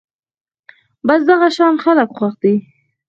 بس دغه شان خلک خوښ دي